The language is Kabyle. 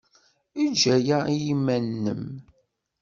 Eg aya i yiman-nnem.